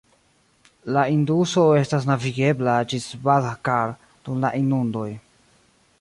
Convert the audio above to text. La Induso estas navigebla ĝis Bhakar dum la inundoj.